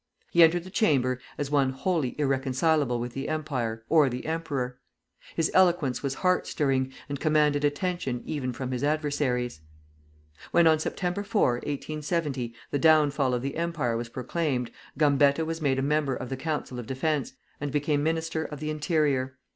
He entered the Chamber as one wholly irreconcilable with the Empire or the emperor. His eloquence was heart stirring, and commanded attention even from his adversaries. When, on Sept. 4, 1870, the downfall of the Empire was proclaimed, Gambetta was made a member of the Council of Defence, and became Minister of the Interior.